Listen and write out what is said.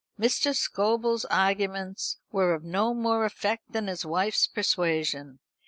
Mr. Scobel's arguments were of no more effect than his wife's persuasion.